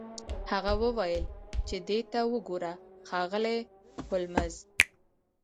هغه وویل چې دې ته وګوره ښاغلی هولمز